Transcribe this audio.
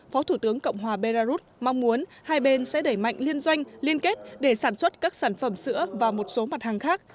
phó thủ tướng cộng hòa belarus mong muốn hai bên sẽ đẩy mạnh liên doanh liên kết để sản xuất các sản phẩm sữa và một số mặt hàng khác